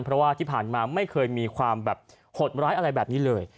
เพราะว่าที่ผ่านมาไม่เคยมีความแบบหดร้ายอะไรแบบนี้เลย